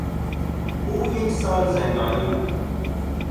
او یک سال زندانی بود.